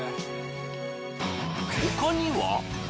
他には？